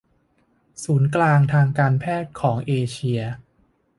ศูนย์กลางทางการแพทย์ของเอเชีย